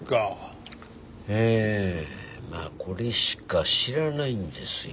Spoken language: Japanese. ええこれしか知らないんですよ。